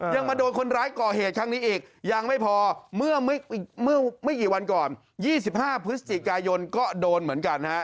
มาโดนคนร้ายก่อเหตุครั้งนี้อีกยังไม่พอเมื่อไม่กี่วันก่อน๒๕พฤศจิกายนก็โดนเหมือนกันฮะ